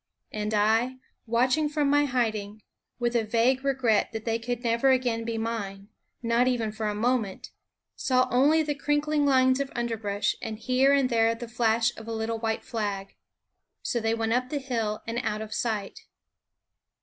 And I, watching from my hiding, with a vague regret that they could never again be mine, not even for a moment, saw only the crinkling lines of underbrush and 39 What ffie ftiwns Jiust here and there the flash of a little white flag. r,r* r re r* So they went up the hill and out of sight.